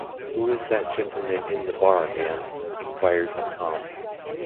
‘“Who is that gentleman in the bar, ma’am?” inquired Tom.